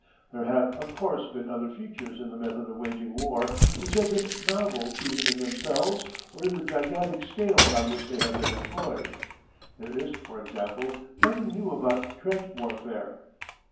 There have, of course, been other features in the method of waging war which have been novel either in themselves, or in the gigantic scale upon which they have been employed. There is, for example, nothing new about trench warfare.